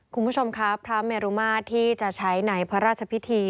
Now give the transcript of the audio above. คุณผู้ชมครับพระเมรุมาตรที่จะใช้ในพระราชพิธี